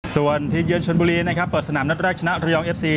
ส่วนทีมเยือนชนบุรีนะครับเปิดสนามนัดแรกชนะระยองเอฟซี